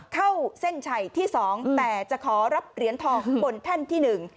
เข้าเส้นชัยที่สองแต่จะขอรับเหรียญทองบนแท่นที่หนึ่ง